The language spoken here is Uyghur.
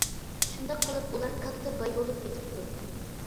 شۇنداق قىلىپ ئۇلار كاتتا باي بولۇپ كېتىپتۇ.